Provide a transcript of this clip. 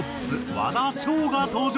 和田唱が登場。